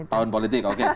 tahun politik oke